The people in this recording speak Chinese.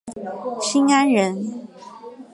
新安人。